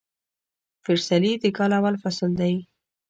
فسرلي د کال اول فصل دي